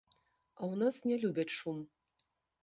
А ў нас не любяць шум.